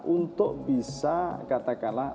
untuk bisa katakanlah